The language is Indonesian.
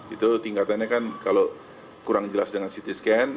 itu tingkatannya kan kalau kurang jelas dengan ct scan